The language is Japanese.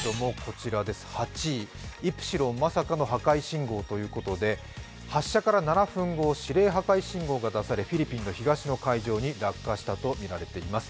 ８位、イプシロン、まさかの破壊信号ということで、発射から７分後、指令破壊信号が出されフィリピンの東の海上に落下したとみられています。